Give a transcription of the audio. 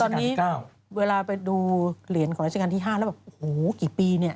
ตอนนี้เวลาไปดูเหรียญของราชการที่๕แล้วแบบโอ้โหกี่ปีเนี่ย